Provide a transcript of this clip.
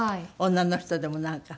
女の人でもなんか。